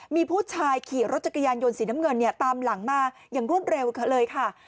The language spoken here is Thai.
มีผู้ชายขี่รถจักรยานยนต์สีน้ำเงินเนี่ยตามหลังมาอย่างรวดเร็วเธอเลยค่ะ